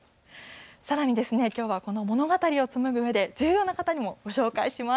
さらに、きょうはこの物語を紡ぐうえで、重要な方もご紹介します。